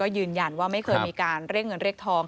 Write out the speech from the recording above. ยืนยันว่าไม่เคยมีการเรียกเงินเรียกทอง